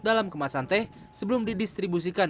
dalam kemasan teh sebelum didistribusikan